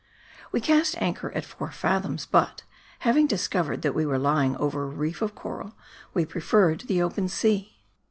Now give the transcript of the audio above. We cast anchor at four fathoms but, having discovered that we were lying over a reef of coral, we preferred the open sea.